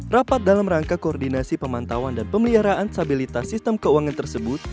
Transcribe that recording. rapat dalam rangka koordinasi pemantauan dan pemeliharaan stabilitas sistem keuangan tersebut